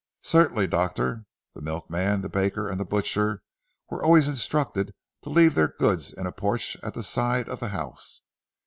"Certainly Doctor. The milkman, the baker, and the butcher, were always instructed to leave their goods in a porch at the side of the house.